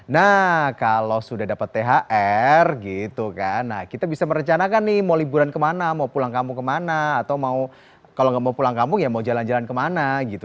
nah kalau sudah dapat thr gitu kan nah kita bisa merencanakan nih mau liburan kemana mau pulang kampung kemana atau mau kalau nggak mau pulang kampung ya mau jalan jalan kemana gitu